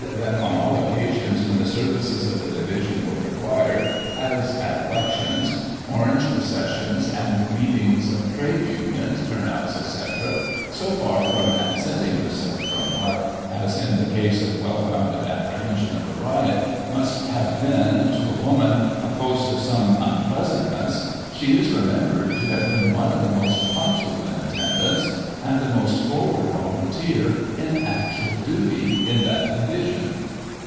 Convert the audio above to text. that, on all occasions when the services of the division were required, as at elections. Orange processions, and meetings of trades' tmions, turn outs, etc, so far from absenting herself from what, as in the case of well founded apprehension of a riot, must have been, to a woman, a post of some unpleasantness, she is remembered to have been one of the most punctual in attendance, and the most forward volunteer in actual duty, in that division.